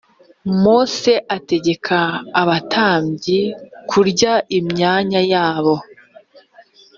mose ategeka abatambyi kurya imyanya yabo